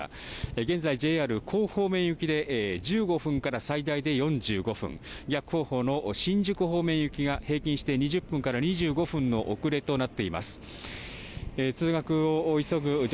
現在ＪＲ甲府方面行きで１５分から最大で４５分、逆方向の新宿方面行きが平均して２０分から２５分の遅れとなっています。